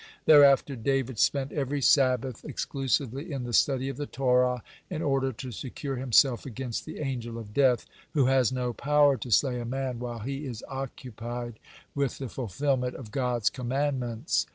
Thereafter David spent every Sabbath exclusively in the study of the Torah, in order to secure himself against the Angel of Death, who has no power to slay a man while he is occupied with the fulfillment of God's commandments.